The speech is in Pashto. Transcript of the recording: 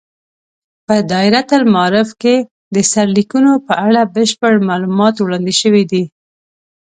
په دایرة المعارف کې د سرلیکونو په اړه بشپړ معلومات وړاندې شوي دي.